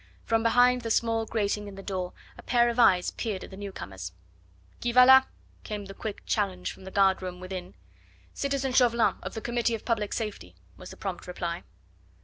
From behind the small grating in the door a pair of eyes peered at the newcomers. "Qui va la?" came the quick challenge from the guard room within. "Citizen Chauvelin of the Committee of Public Safety," was the prompt reply.